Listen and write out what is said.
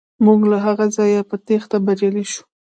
موږ له هغه ځایه په تیښته بریالي شو.